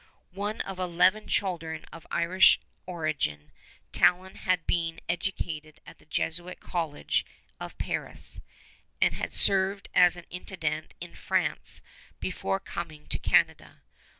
One of eleven children of Irish origin, Talon had been educated at the Jesuit College of Paris, and had served as an intendant in France before coming to Canada.